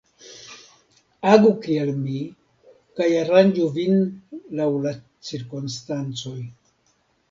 Agu kiel mi, kaj aranĝu vin laŭ la cirkonstancoj.